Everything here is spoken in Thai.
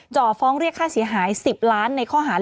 จ่อฟ้องเรียกค่าเสียหาย๑๐ล้านในข้อหาร